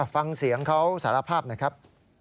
ฟังเสียงเขาสารภาพหน่อยครับ